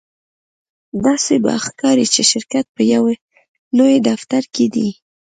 داسې به ښکاري چې شرکت په یو لوی دفتر کې دی